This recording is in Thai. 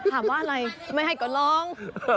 ถามว่าอะไรไม่ให้ก็ร้อง